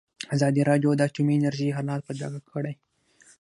ازادي راډیو د اټومي انرژي حالت په ډاګه کړی.